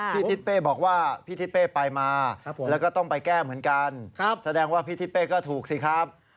ทิศเป้บอกว่าพี่ทิศเป้ไปมาแล้วก็ต้องไปแก้เหมือนกันแสดงว่าพี่ทิศเป้ก็ถูกสิครับ